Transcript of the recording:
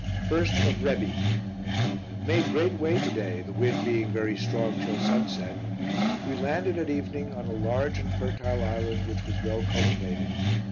1st of Rebi. Made great way to day, the wind being very strong till sunset. We landed at evening on a large and fertile island which was well cultivated.